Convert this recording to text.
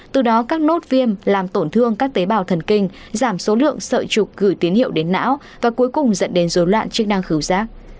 từ đó các nốt viêm làm tổn thương các tế bào thần kinh giảm số lượng sợi trục gửi tín hiệu đến não và cuối cùng dẫn đến dối loạn chức năng cứu giác